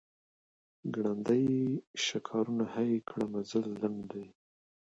ګړندی شه کاروان هی کړه منزل لنډ دی.